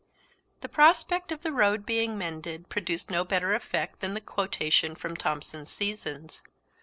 The prospect of the road being mended produced no better effect than the quotation from Thomson's "Seasons."